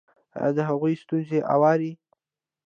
ایا د هغوی ستونزې اورئ؟